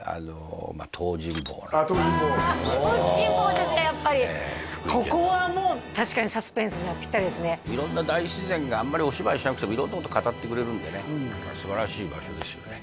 まあ東尋坊あっ東尋坊東尋坊ですかやっぱりここはもう確かにサスペンスにはピッタリですね色んな大自然があんまりお芝居しなくても色んなこと語ってくれるんでねすばらしい場所ですよね